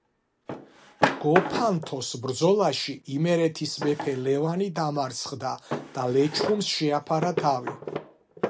გოფანთოს ბრძოლაში იმერეთის მეფე ლევანი დამარცხდა და ლეჩხუმს შეაფარა თავი.